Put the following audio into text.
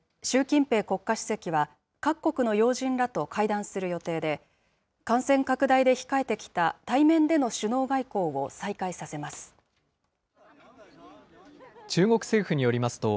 習近平国家主席は各国の要人らと会談する予定で、感染拡大で控えてきた対面での首脳外交を再開させます。